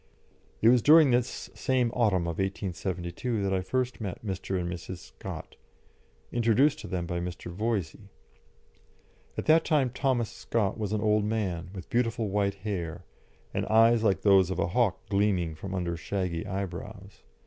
It was during this same autumn of 1872 that I first met Mr. and Mrs. Scott, introduced to them by Mr. Voysey. At that time Thomas Scott was an old man, with beautiful white hair, and eyes like those of a hawk gleaming from under shaggy eyebrows.